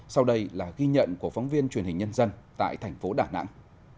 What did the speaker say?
sau đây là ghi nhận của phóng viên truyền hình nhân dân tại thành phố đà nẵng